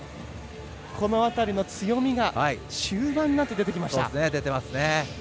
このあたりの強みが終盤になって出てきました。